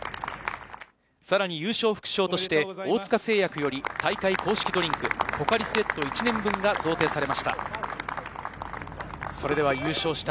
さらに優勝副賞として大塚製薬より大会公式ドリンク、ポカリスエット１年分が贈呈されました。